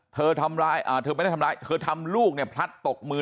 เธอทำร้ายเธอไม่ได้ทำร้ายเธอทำลูกเนี่ยพลัดตกมือ